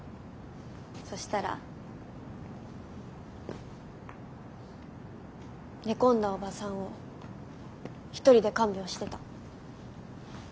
そしたら寝込んだおばさんを一人で看病してた。